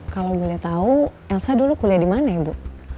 kalau boleh tahu elsa dulu kuliah dimana ya bu